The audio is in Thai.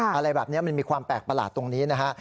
อะไรแบบนี้มันมีความแปลกประหลาดตรงนี้นะฮะ